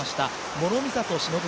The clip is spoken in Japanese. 諸見里しのぶ